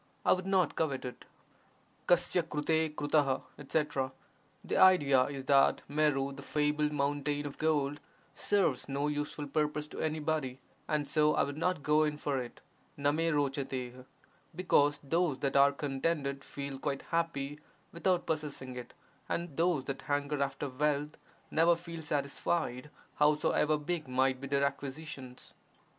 I would not covet it. P^PT ^n" cftcT: etc.— The idea is that Meru, the (fabled) mountain of gold, serves no useful purpose to anybody, and so I would not go in for it (/T ^ TfW): because those that are contented feel quite happy without possessing it, and those that hanker after wealth never feel satisfied howsoever big might be their acquisitions.